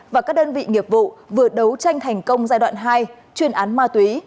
và các đơn vị nghiệp vụ vừa đấu tranh thành công giai đoạn hai chuyên án ma túy